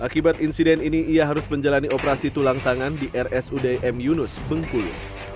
akibat insiden ini ia harus menjalani operasi tulang tangan di rsud m yunus bengkulu